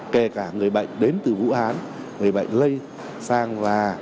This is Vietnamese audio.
kể cả người bệnh đến từ vũ hán người bệnh lây sang và